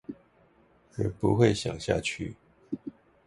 人不會想下去